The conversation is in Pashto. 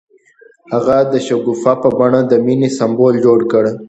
هغه د شګوفه په بڼه د مینې سمبول جوړ کړ.